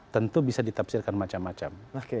tentu bisa ditafsirkan macam macam